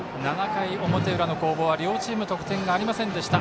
７回表裏の攻防は、両チーム得点がありませんでした。